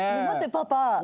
待ってパパ。